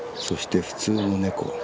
そして普通のネコ。